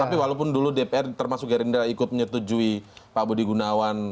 tapi walaupun dulu dpr termasuk gerindra ikut menyetujui pak budi gunawan